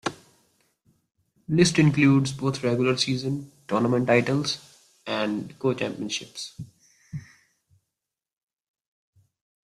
List includes both regular-season, tournament titles, and co-championships.